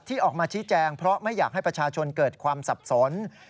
ออกมาชี้แจงเพราะไม่อยากให้ประชาชนเกิดความสับสน